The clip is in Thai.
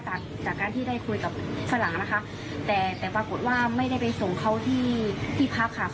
จากการจากการที่ได้คุยกับฝรั่งนะคะแต่แต่ปรากฏว่าไม่ได้ไปส่งเขาที่ที่พักค่ะ